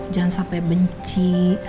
jangan sampai benci